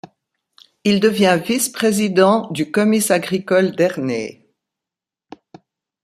Il devient vice-président du comice agricole d'Ernée.